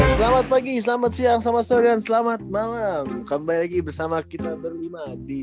selamat pagi selamat siang selamat sore dan selamat malam kembali lagi bersama kita berlima di